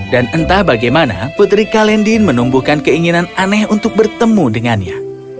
dan entah bagaimana putri kalendin menumbuhkan keinginan aneh untuk bertemu dengannya